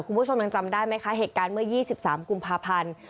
คุณผู้ชมยังจำได้ไหมคะเหตุการณ์เมื่อ๒๓กุมภาพันธ์